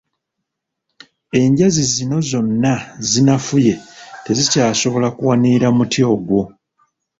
Enjazi zino zonna zinafuye tezikyasobola kuwanirira muti ogwo.